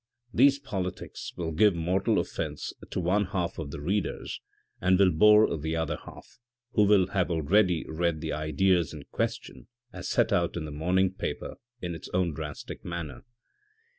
These politics will give mortal offence to one half of the readers and will bore the other half, who will have already read the ideas in question as set out in the morning paper in its own drastic manner."